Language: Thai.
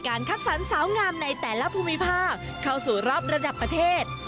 คัดสรรสาวงามในแต่ละภูมิภาคเข้าสู่รอบระดับประเทศ